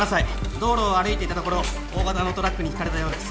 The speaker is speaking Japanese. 道路を歩いていたところ大型のトラックにひかれたようです。